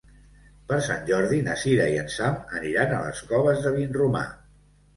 Per Sant Jordi na Sira i en Sam aniran a les Coves de Vinromà.